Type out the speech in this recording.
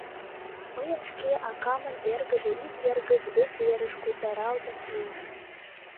Мыйын шке акамын эргыже ик вер гыч вес верыш кусаралтын илыш.